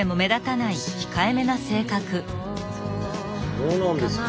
そうなんですか。